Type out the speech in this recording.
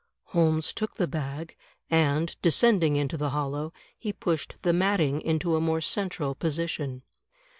Holmes took the bag, and, descending into the hollow, he pushed the matting into a more central position.